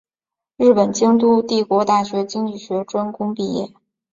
日本京都帝国大学经济学专攻毕业。